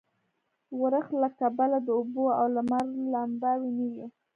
ورښت له کبله د اوبو او لمر لمباوې نه وې.